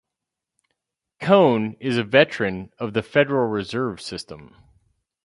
Kohn is a veteran of the Federal Reserve System.